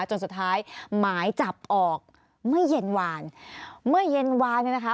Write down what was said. จนสุดท้ายหมายจับออกเมื่อเย็นวานเมื่อเย็นวานเนี่ยนะคะ